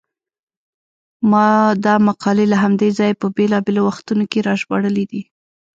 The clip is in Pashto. ما دا مقالې له همدې ځایه په بېلابېلو وختونو کې راژباړلې دي.